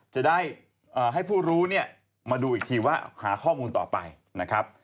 จะได้ให้ผู้รู้เนี่ยมาดูอีกทีว่าหาข้อมูลต่อไปนะครับ